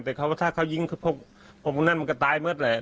แต่ถ้าเขายิงพวกนั้นมันก็ตายหมดแหละ